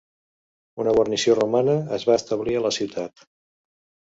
Una guarnició romana es va establir a la ciutat.